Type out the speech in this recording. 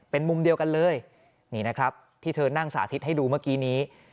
เป็นมุมเดียวกันเลยนี่นะครับที่เธอนั่งสาธิตให้ดูเมื่อกี้นี้